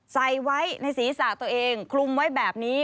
ใส่ไว้ในศีรษะตัวเองคลุมไว้แบบนี้